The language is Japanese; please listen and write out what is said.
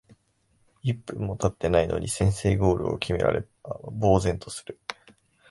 一分もたってないのに先制ゴールを決められ呆然とする